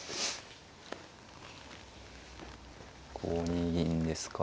５二銀ですか。